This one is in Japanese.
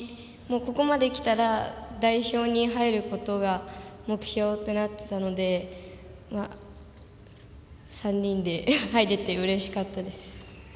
ここまできたら代表に入ることが目標となっていたので３人で入れて、うれしかったです。